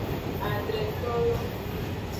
Adretolo.